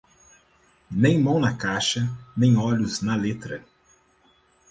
Nem mão na caixa, nem olhos na letra.